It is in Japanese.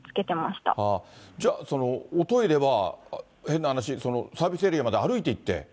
じゃあ、おトイレは、変な話、サービスエリアまで歩いていって。